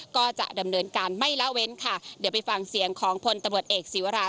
ก็จะดำเนินการไม่ละเว้นค่ะเดี๋ยวไปฟังเสียงของพลตำรวจเอกศีวรา